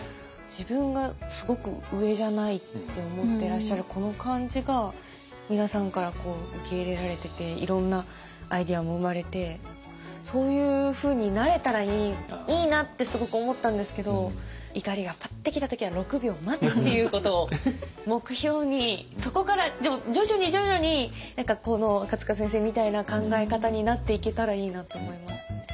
自分がすごく上じゃないって思ってらっしゃるこの感じが皆さんから受け入れられてていろんなアイデアも生まれてそういうふうになれたらいいなってすごく思ったんですけど怒りがパッてきた時は６秒待つっていうことを目標にそこから徐々に徐々に何かこの赤先生みたいな考え方になっていけたらいいなって思いました。